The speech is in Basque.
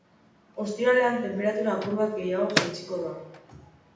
Ostiralean, tenperatura apur bat gehiago jaitsiko da.